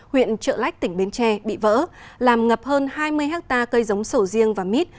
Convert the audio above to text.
huyện trợ lách tỉnh bến tre bị vỡ làm ngập hơn hai mươi hectare cây giống sổ riêng và mít